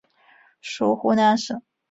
属湖南省。